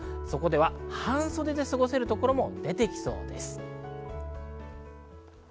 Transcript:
そこでは半袖で過ごせる所も出てきそうです。